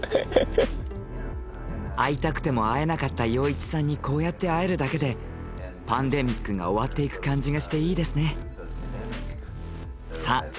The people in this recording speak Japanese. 会いたくても会えなかった陽一さんにこうやって会えるだけでパンデミックが終わっていく感じがしていいですね。